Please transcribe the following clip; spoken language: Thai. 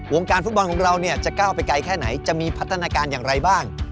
การฟุตบอลของเราเนี่ยจะก้าวไปไกลแค่ไหนจะมีพัฒนาการอย่างไรบ้าง